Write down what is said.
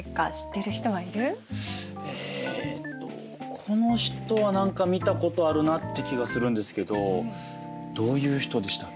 この人は何か見たことあるなって気がするんですけどどういう人でしたっけ？